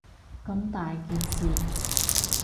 咁大件事